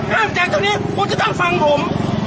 ห้ามแจกตรงนี้คนจะต้องฟังผม